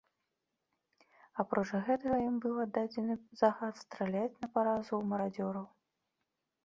Апроч гэтага ім быў аддадзены загад страляць на паразу ў марадзёраў.